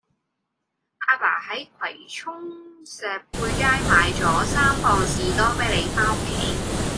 亞爸喺葵涌石貝街買左三磅士多啤梨返屋企